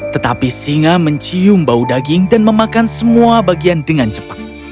tetapi singa mencium bau daging dan memakan semua bagian dengan cepat